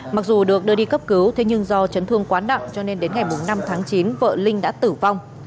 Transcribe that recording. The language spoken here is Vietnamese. mặc dù được đưa đi cấp cứu thế nhưng do chấn thương quá nặng cho nên đến ngày năm tháng chín vợ linh đã tử vong